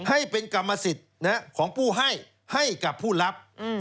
ให้เป็นกรรมสิทธิ์ของผู้ให้ให้กับผู้รับ